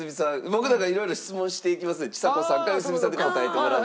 僕らがいろいろ質問していきますのでちさ子さんか良純さんで答えてもらって。